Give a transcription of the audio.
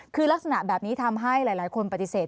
คือลักษณะแบบนี้ทำให้หลายคนปฏิเสธ